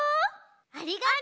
ありがとう！